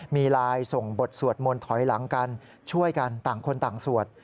มีไลน์ส่งบทสวดมนต์ถอยหลังกันช่วยกันต่างคนต่างสวด